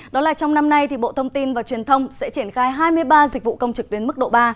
đó là trong năm nay thì bộ thông tin và truyền thông sẽ triển khai hai mươi ba dịch vụ công trực tuyến mức độ ba